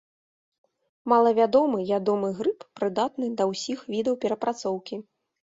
Малавядомы ядомы грыб, прыдатны да ўсіх відаў перапрацоўкі.